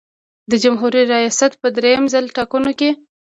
د جمهوري ریاست په دریم ځل ټاکنو کې.